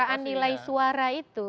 ketaraan nilai suara itu